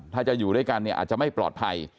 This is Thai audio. ถ้าจะอยู่ด้วยกันเนี่ยอาจจะไม่ปลอดภัย